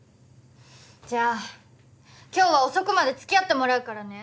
じゃあ今日は遅くまで付き合ってもらうからね。